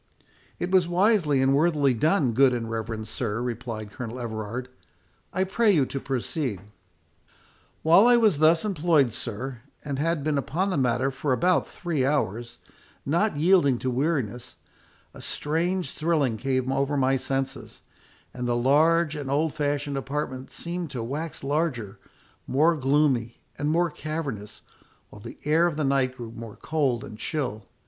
"It was wisely and worthily done, good and reverend sir," replied Colonel Everard. "I pray you to proceed." "While I was thus employed, sir, and had been upon the matter for about three hours, not yielding to weariness, a strange thrilling came over my senses, and the large and old fashioned apartment seemed to wax larger, more gloomy, and more cavernous, while the air of the night grew more cold and chill.